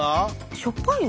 しょっぱいの？